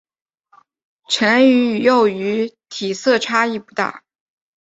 成鱼与幼鱼体色差异不大。